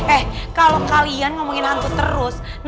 eh kalau kalian ngomongin hantu terus